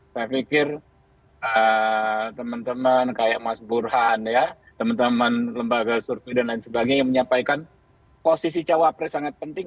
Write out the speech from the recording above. saya pikir teman teman kayak mas burhan ya teman teman lembaga survei dan lain sebagainya yang menyampaikan posisi cawapres sangat penting